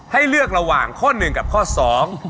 ให้เลือกระหว่างข้อหนึ่งกับข้อสอง